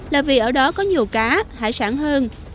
là vì ở đó có nhiều cá hải sản hơn